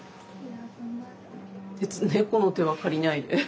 別に猫の手は借りないで。